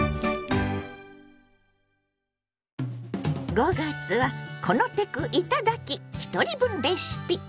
５月は「このテクいただき！ひとり分レシピ」。